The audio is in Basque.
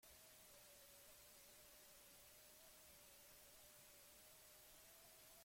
Hor ematen dizu gogoa negar egiteko, kirola uzteko.